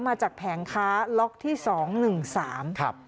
มาจากแผงค้าล็อกที่๒๑๓ครับ